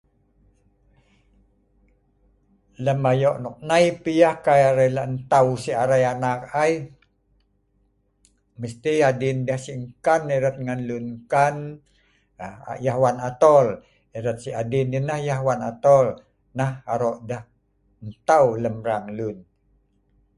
Mau, nan memang nan nyen lun maon-maon jadi anak lem sieu hnai masih tah deh wei laan la nyen ah nyen mak on-on lun mral maon dei la kerana lucu yeh le' de' bukan saja yeh lucu tapi wei laan deh aro yeh. Wei erau deh aro' yeh.